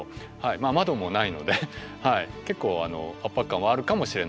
窓もないので結構圧迫感はあるかもしれないですね。